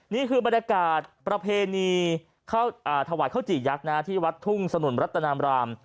นี่คือบรรยากาศประเพณีถวายข้าวจี่ยักษ์ที่วัดทุ่งสนุนรัตนามราม